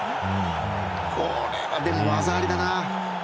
これ、でも技ありだな。